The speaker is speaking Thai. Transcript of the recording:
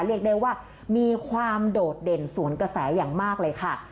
เรียกได้ว่ามีความโดดเด่นสวนกระแสอย่างมากเลยค่ะ